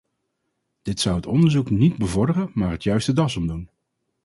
Dit zou het onderzoek niet bevorderen maar het juist de das omdoen.